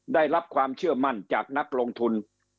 ได้รับความเชื่อมั่นจากนักลงทุน